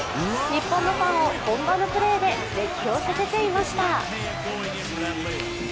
日本のファンを本場のプレーで熱狂させていました。